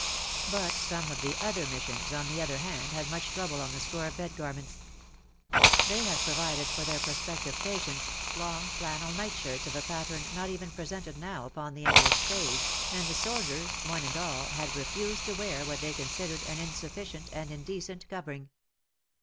But some of the other missions, on the other hand, had much trouble on the score of bed garments. They had provided for their pro WAR AND WOMEN 165 spective patients, long flannel night shlrts of a pattern not even presented now upon the English stage, and the soldiers one and all had refused to wear what they considered an insufficient and indecent covering.